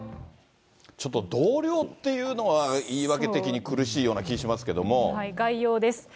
ちょっと同僚っていうのは言い訳的に苦しいような気がします概要です。